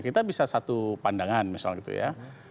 kita bisa satu pandangan misal gitu ya